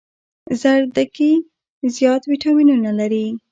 زردکي زيات ويټامينونه لري